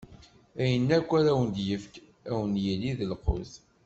Ayen akk ara d-ifk, ad wen-yili d lqut.